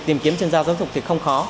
tìm kiếm chuyên gia giáo dục thì không khó